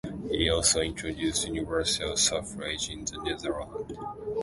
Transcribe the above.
He also introduced universal suffrage in the Netherlands.